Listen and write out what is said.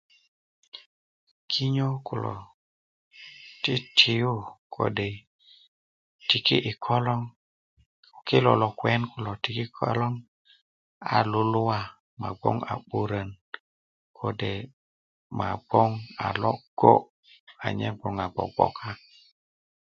kinyo kulo titiyu kode' tiki' yi koloŋ ko kilo loŋ kuwen kilo tiki koloŋ anyen gboŋ a 'burön kode anye gboŋ logo anyen gboŋ a gbogboka